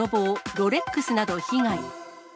ロレックスなど被害。